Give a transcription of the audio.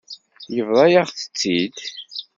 Yebḍa-yaɣ-tt-id.